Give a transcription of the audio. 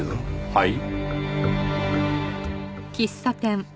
はい？